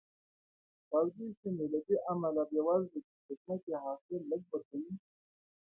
تودې سیمې له دې امله بېوزله دي چې ځمکې یې حاصل لږ ورکوي.